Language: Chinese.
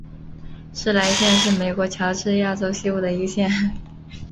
施莱县是美国乔治亚州西部的一个县。